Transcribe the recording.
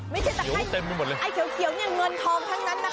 ไม่ใช่ไข่เกียวเกียวอย่างเงินทองทั้งนั้นนะครับ